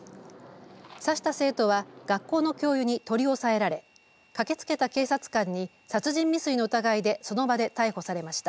刺した生徒は学校の教諭に取り押さえられ駆けつけた警察官に殺人未遂の疑いでその場で逮捕されました。